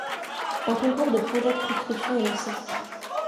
Un concours de projet de construction est lancé.